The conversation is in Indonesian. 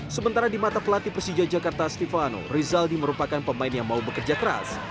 sementara di mata pelatih persija jakarta stefano rizaldi merupakan pemain yang mau bekerja keras